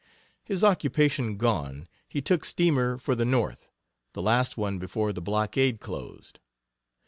His occupation gone, he took steamer for the North the last one before the blockade closed.